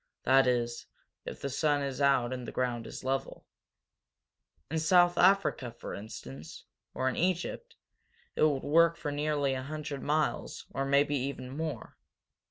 That is, if the sun is out and the ground is level. In South Africa, for instance, or in Egypt, it would work for nearly a hundred miles, or maybe even more.